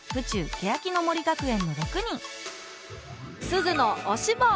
けやきの森学園の６人「すずの推しＢＯ！」。